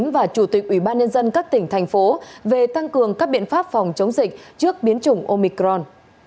và chủ tịch ubnd các tỉnh thành phố về tăng cường các biện pháp phòng chống dịch trước biến chủng omicron